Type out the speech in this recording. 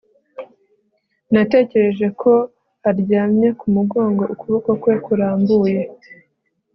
natekereje ko aryamye ku mugongo ukuboko kwe kurambuye